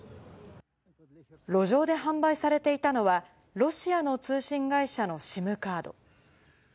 路上で販売されていたのは、ロシアの通信会社のＳＩＭカード。